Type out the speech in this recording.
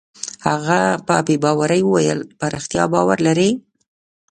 هغه په بې باورۍ وویل: په رښتیا باور لرې؟